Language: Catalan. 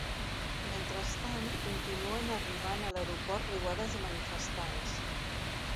Mentrestant, continuen arribant a l’aeroport riuades de manifestants.